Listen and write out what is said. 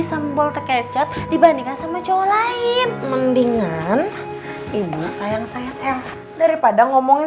sembol kecap dibandingkan sama cowok lain mendingan ibu sayang sayang l daripada ngomongin